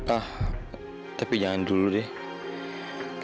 ah tapi jangan dulu deh